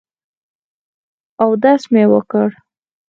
اودس مې وکړ.